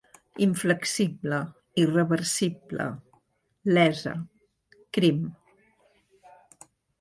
Inflexible, irreversible, lesa, crim...